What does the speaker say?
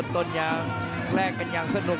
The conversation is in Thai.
ต้นอย่าแกล้งกันอย่างสนุก